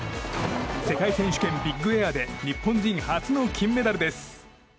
世界選手権ビッグエアで日本人初の金メダルです。